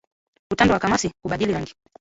Utando wa kamasi kubadili rangi